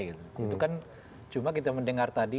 itu kan cuma kita mendengar tadi